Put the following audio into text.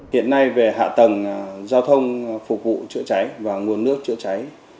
hiện nay về hạ tầng giao thông phục vụ chữa cháy và nguồn nước chữa cháy